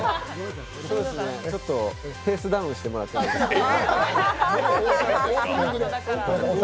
そうですね、ちょっとペースダウンしてもらっていいですか。